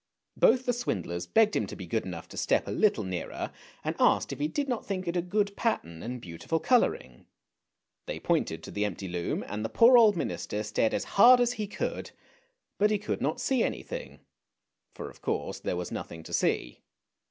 Both the swindlers begged him to be good enough to step a little nearer, and asked if he did not think it a good pattern and beautiful colouring. They pointed to the empty loom, and the poor old minister stared as hard as he could, but he could not see anything, for of course there was nothing to see.